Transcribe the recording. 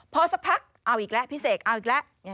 พอสักพักเอาอีกแล้วพี่เสกเอาอีกแล้ว